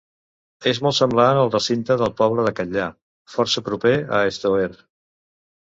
És molt semblant al recinte del poble de Catllà, força proper a Estoer.